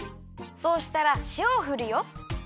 そうしたらしおをふるよ。